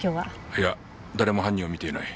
いや誰も犯人を見ていない。